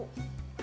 gak ada masalah